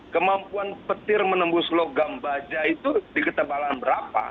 kemampuan petir menembus logam baja itu di ketebalan berapa